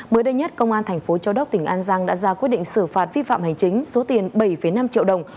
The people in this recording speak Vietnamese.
mới đây nhất công an thành phố châu đốc tỉnh an giang đã ra quyết định xử phạt vi phạm hành chính số tiền bảy năm triệu đồng